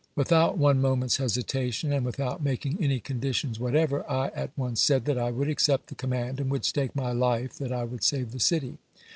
Without one moment's hesita tion, and without making any conditions whatever, I at once said that I would accept the command and would stake my life that I would save the city.